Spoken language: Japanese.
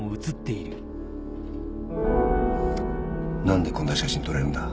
なんでこんな写真撮れるんだ？